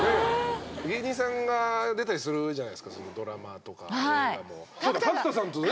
芸人さんが出たりするじゃないですかドラマとか映画も。